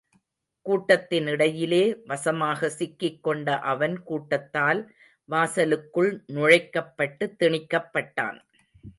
கூட்டத்தின் இடையிலே வசமாக சிக்கிக் கொண்ட அவன் கூட்டத்தால் வாசலுக்குள் நுழைக்கப் பட்டு, திணிக்கப்பட்டான்.